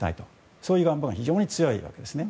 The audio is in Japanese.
そういう願望が非常に強いわけですね。